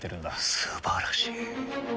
素晴らしい。